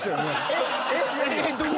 えっ？